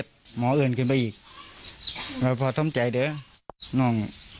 ถูกต้อง